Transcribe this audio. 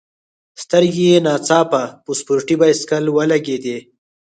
سترګي یې نا ځاپه په سپورټي بایسکل ولګېدې.